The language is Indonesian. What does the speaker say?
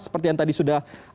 seperti yang tadi sudah